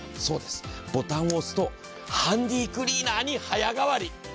そうですボタンを押すとハンディクリーナーに早変わり。